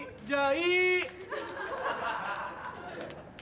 じゃあいい！